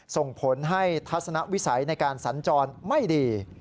ส่งผลให้ทัศนวิสัยในการสัญจรไม่ดี